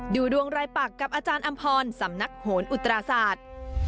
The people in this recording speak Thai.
ดูดวงรายปักกับอาจารย์อำพรสำนักโหนอุตราศาสตร์